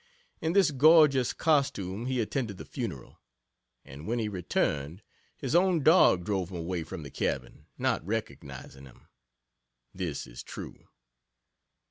In this gorgeous costume he attended the funeral. And when he returned, his own dog drove him away from the cabin, not recognizing him. This is true.